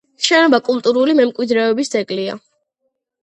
შენობა კულტურული მემკვიდრეობის ძეგლია.